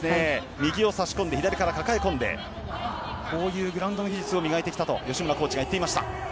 右を落として、入り込んでこういうグラウンドの技術を磨いてきたと吉村コーチが言っていました。